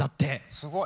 すごい。